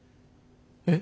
えっ？